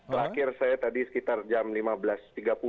terakhir saya tadi sekitar jam lima belas tiga puluh